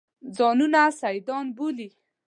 ځانونه سیدان بولي.